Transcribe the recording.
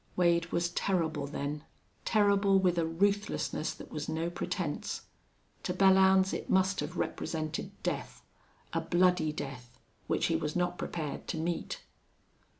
Wade was terrible then terrible with a ruthlessness that was no pretense. To Belllounds it must have represented death a bloody death which he was not prepared to meet.